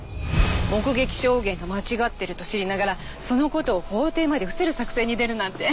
目撃証言が間違ってると知りながらその事を法廷まで伏せる作戦に出るなんて。